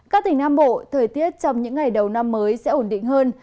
các tỉnh nam bộ thời tiết trong những ngày đầu năm mới sẽ ổn định hơn